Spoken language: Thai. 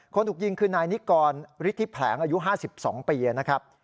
ถูกยิงคือนายนิกรฤทธิแผลงอายุ๕๒ปีนะครับ